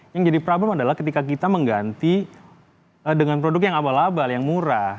yang jadi problem adalah ketika kita mengganti dengan produk yang abal abal yang murah